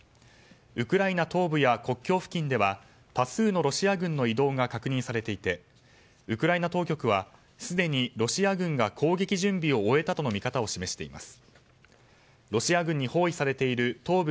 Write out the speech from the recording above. ウクライナ東部や国境付近では多数のロシア軍の移動が確認されていてウクライナ当局はすでにロシア軍が攻撃準備を終えたとの見方を示しています。